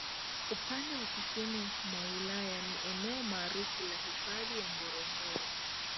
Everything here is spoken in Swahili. Upande wa Kusini mwa Wilaya ni eneo maarufu la Hifadhi ya Ngorongoro